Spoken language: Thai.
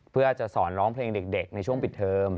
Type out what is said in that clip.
เพื่อจะสอนร้องเพลงเด็กในช่วงปิดเทอม